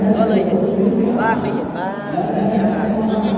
ก็เลยบ้างไม่เห็นบ้าง